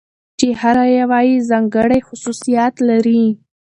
چې هره يوه يې ځانګړى خصوصيات لري .